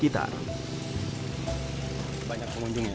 banyak pengunjung ya